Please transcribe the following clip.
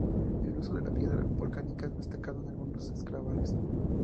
El uso de la piedra volcánica es destacado en algunos enclaves.